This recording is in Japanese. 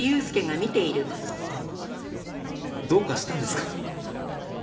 あのどうかしたんですか？